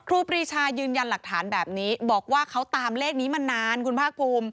ครีชายืนยันหลักฐานแบบนี้บอกว่าเขาตามเลขนี้มานานคุณภาคภูมิ